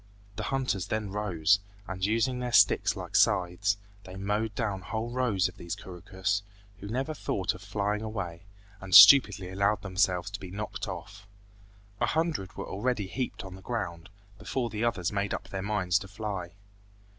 The hunters then rose, and using their sticks like scythes, they mowed down whole rows of these couroucous, who never thought of flying away, and stupidly allowed themselves to be knocked off. A hundred were already heaped on the ground, before the others made up their minds to fly.